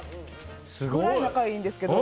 それぐらい仲いいんですけど